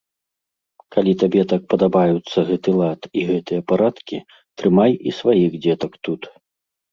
Калі табе так падабаюцца гэты лад і гэтыя парадкі, трымай і сваіх дзетак тут.